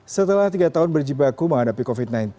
setelah tiga tahun berjibaku menghadapi covid sembilan belas